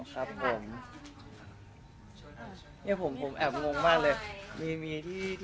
ขันหมากสวยไม่ได้